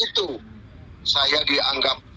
itu saya dianggap